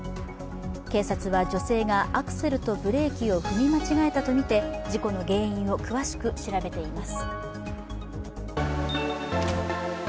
警察は女性がアクセルとブレーキを踏み間違えたとみて事故の原因を詳しく調べています。